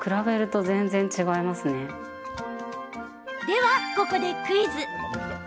では、ここでクイズ！